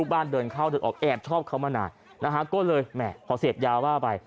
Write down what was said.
เข้าเดินออกแอบชอบเขามานานนะฮะก็เลยแหม่พอเสียบยาวบ้าไป